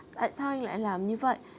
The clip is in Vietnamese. tại sao anh lại làm như vậy